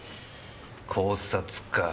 絞殺か。